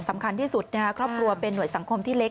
สำคัญที่สุดนะครับครอบครัวเป็นห่วยสังคมที่เล็ก